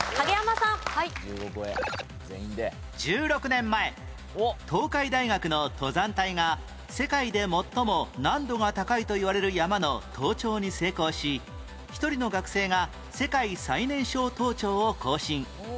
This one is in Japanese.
１６年前東海大学の登山隊が世界で最も難度が高いといわれる山の登頂に成功し１人の学生が世界最年少登頂を更新